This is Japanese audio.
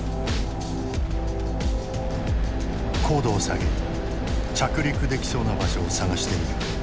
高度を下げ着陸できそうな場所を探してみる。